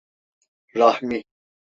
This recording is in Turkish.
Rahmi…